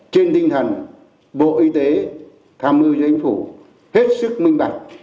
trên tinh thần bộ y tế tham ưu cho anh phủ hết sức minh bạch